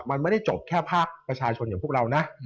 มันไม่ได้จบแค่ภาคประชาชนอย่างพวกเรานะ